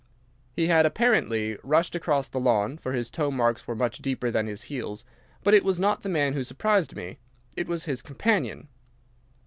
He had apparently rushed across the lawn, for his toe marks were much deeper than his heels. But it was not the man who surprised me. It was his companion."